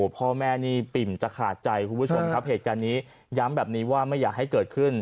พ่อแม่ปิ่มจักหาดใจหลักเหตุการณ์นี้ย้ำแบบนี้ว่าไม่อยากให้เกิดขึ้น